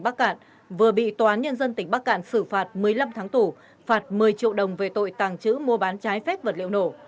bắc cạn vừa bị tòa án nhân dân tỉnh bắc cạn xử phạt một mươi năm tháng tù phạt một mươi triệu đồng về tội tàng trữ mua bán trái phép vật liệu nổ